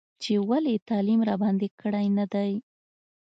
چې ولې یې تعلیم راباندې کړی نه دی.